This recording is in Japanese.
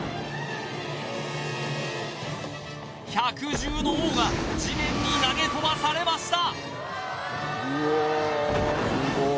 百獣の王が地面に投げ飛ばされました